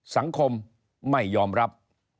สังคมไม่ยอมรับ